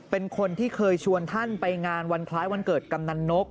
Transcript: เป็นคนที่เคยชวนท่านไปงานวันคล้ายวันเกิดกำนันนก